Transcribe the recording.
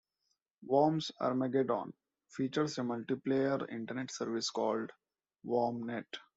"Worms Armageddon" features a multiplayer Internet service called WormNet.